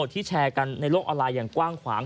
แชร์กันในโลกออนไลน์อย่างกว้างขวาง